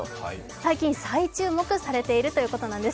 最近、最注目されてきているということなんです。